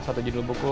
satu judul buku